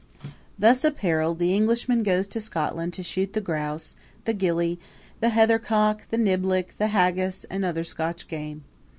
Thus appareled the Englishman goes to Scotland to shoot the grouse, the gillie, the heather cock, the niblick, the haggis and other Scotch game.